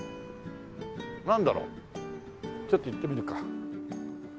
なんだろうちょっと行ってみるか。